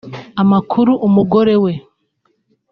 Amakuru Umugore we